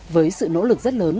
với sự nỗ lực rất lớn